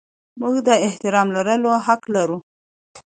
موږ د احترام لرلو حق لرو.